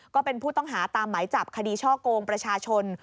ก็เป็นผู้ต้องหาตามหมายจับคดีช่อกงประชาชน